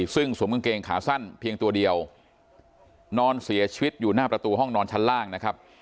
ซึ่งสวมกางเกงขาสั้นเพียงตัวเดียวนอนเสียชีวิตอยู่หน้าประตูห้องนอนชั้นล่างนะครับ